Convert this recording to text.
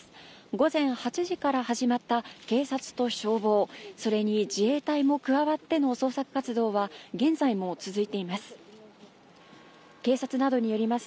午前８時から始まった警察と消防、それに自衛隊も加わっての捜索活動は、現在も続いています。